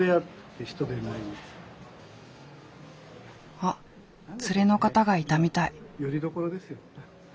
あっ連れの方がいたみたい。